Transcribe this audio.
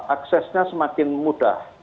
aksesnya semakin mudah